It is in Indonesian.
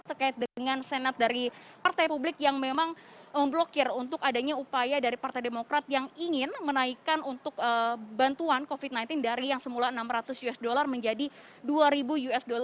terkait dengan senat dari partai publik yang memang memblokir untuk adanya upaya dari partai demokrat yang ingin menaikkan untuk bantuan covid sembilan belas dari yang semula enam ratus usd menjadi dua ribu usd